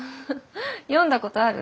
読んだことある？